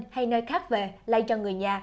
hay nơi khác về lây cho người nhà